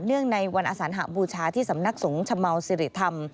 เนื่องในวันอสานหาบูชาที่สำนักศูนย์ชมสิริธรรม